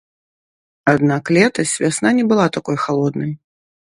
Аднак летась вясна не была такой халоднай.